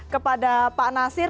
kepada pak nasir